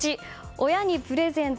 親にプレゼント